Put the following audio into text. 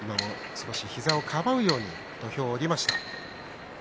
少し膝をかばうように土俵を下りました。